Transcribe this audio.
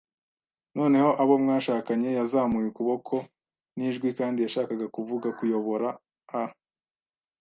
Noneho, abo mwashakanye - ”Yazamuye ukuboko n'ijwi, kandi yashakaga kuvuga kuyobora a